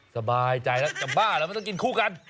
สบายใจแล้วจะบ้าแล้วไม่ต้องกินคู่กัน